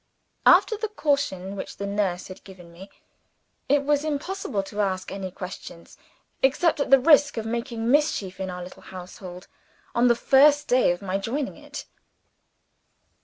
After the caution which the nurse had given me, it was impossible to ask any questions, except at the risk of making mischief in our little household, on the first day of my joining it.